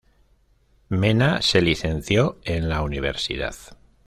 Mena se licenció en la universidad.